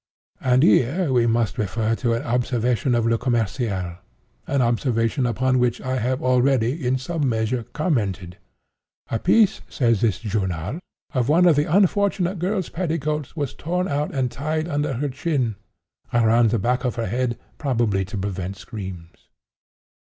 "And here we must refer to an observation of Le Commerciel; an observation upon which I have already, in some measure, commented. 'A piece,' says this journal, 'of one of the unfortunate girl's petticoats was torn out and tied under her chin, and around the back of her head, probably to prevent screams.